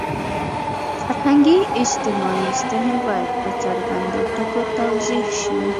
فرهنګي – اجتماعي ستنې باید په څرګندو ټکو توضیح شي.